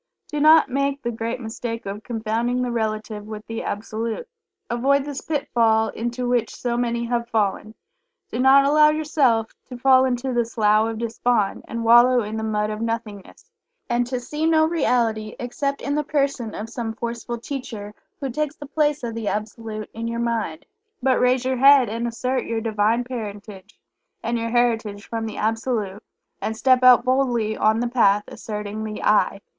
Do not make the great mistake of confounding the Relative with the Absolute. Avoid this pitfall into which so many have fallen. Do not allow yourself to fall into the "Slough of Despond," and wallow in the mud of "nothingness," and to see no reality except in the person of some forceful teacher who takes the place of the Absolute in your mind. But raise your head and assert your Divine Parentage, and your Heritage from the Absolute, and step out boldly on the Path, asserting the "I."